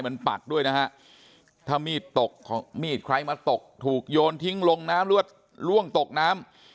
มันปักด้วยนะฮะถ้ามีดตกมีดใครมาตกถูกโยนทิ้งลงน้ำหรือว่าล่วงตกน้ำ